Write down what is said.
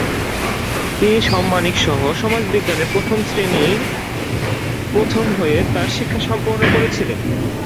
তিনি সাম্মানিক সহ সমাজবিজ্ঞানে প্রথম শ্রেণীর প্রথম হয়ে তাঁর শিক্ষা সম্পন্ন করেছিলেন।